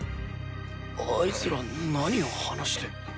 あいつら何を話して